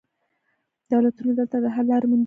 دولتونه دلته د حل لارې موندلو هڅه کوي